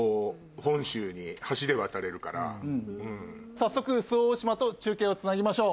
早速周防大島と中継をつなぎましょう。